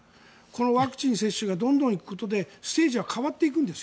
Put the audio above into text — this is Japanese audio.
ワクチン接種がどんどん進んでいくことでステージは変わっていくんです。